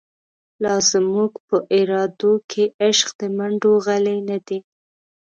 لا زموږ په ارادو کی، عشق د مڼډو غلۍ نه دۍ